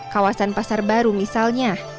kawasan pasar baru misalnya